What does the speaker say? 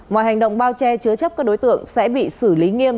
mọi hành động bao che chứa chấp các đối tượng sẽ bị xử lý nghiêm